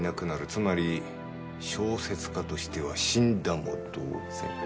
つまり小説家としては死んだも同然。